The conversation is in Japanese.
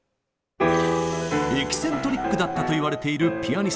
エキセントリックだったといわれているピアニストグールド。